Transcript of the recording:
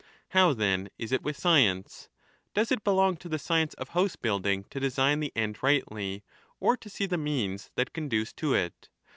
How, then, is it with science ? Does it belong to the science of housebuilding to design the end rightly, or to see the means that conduce to it